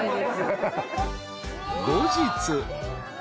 ［後日］